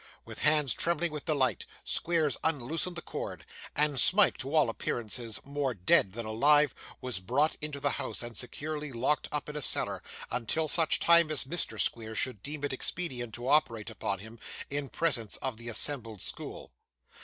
With hands trembling with delight, Squeers unloosened the cord; and Smike, to all appearance more dead than alive, was brought into the house and securely locked up in a cellar, until such time as Mr. Squeers should deem it expedient to operate upon him, in presence of the assembled school.